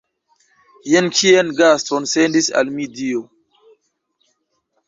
Jen kian gaston sendis al mi Dio!